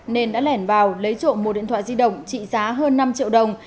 nên đã lẻn vào lấy trộm một điện thoại di động trị giá hơn năm triệu đồng